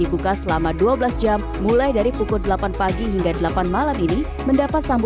dibuka selama dua belas jam mulai dari pukul delapan pagi hingga delapan tiga puluh malam terima kasih